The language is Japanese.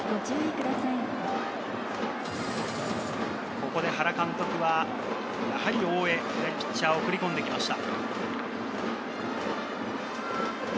ここで原監督は、やはり大江、ピッチャーを送り込んできました。